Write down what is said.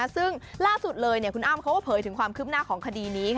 ซึ่งล่าสุดเลยคุณอ้ำเขาก็เผยถึงความคืบหน้าของคดีนี้